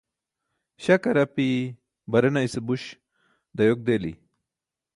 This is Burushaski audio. śakar api barena ise buś dayok deli